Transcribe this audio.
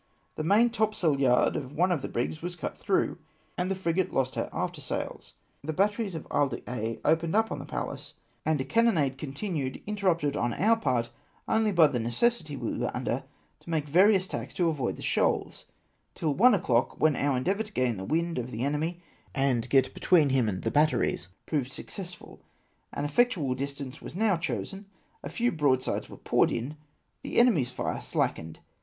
The maintopsailyard of one of the brigs was cut through, and the frigate lost her aftersails. The batteries on ITsle d'Aix opened on the Pallas, and a cannonade continued, interrupted on our part only by the necessity we Avere under to make various tacks to avoid the shoals, till one o'clock, when our endeavour to gain the wind of the enemy and get between him and the batteries proved successful ; an effectual distance was now chosen, a few broadsides were poured in, the enemy's fire slackened.